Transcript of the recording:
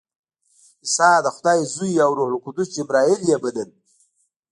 عیسی د خدای زوی او روح القدس جبراییل یې بلل.